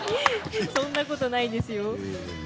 そんなことないですよ。